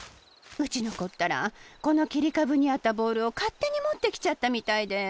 うちのこったらこのきりかぶにあったボールをかってにもってきちゃったみたいで。